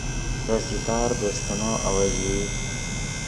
ڤے ستار دے استینو آویژئی